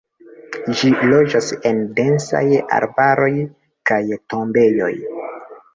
Ĝi loĝas en densaj arbaroj, kaj tombejoj.